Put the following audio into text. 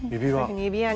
指輪。